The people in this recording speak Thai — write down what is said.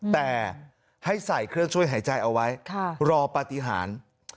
แต่ให้ใส่เครื่องช่วยหายใจเอาไว้รอปฏิหาร